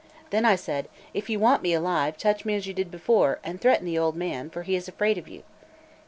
Then I said: "If you want me alive, touch me as you did before, and threaten the old man, for he is afraid of you."